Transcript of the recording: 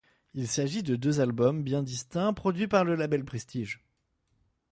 Il s'agit de deux demis albums bien distincts produits par le label Prestige.